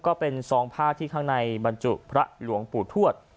ก็เป็นซองผ้าที่ข้างในบรรจุพระหลวงปู่ทวด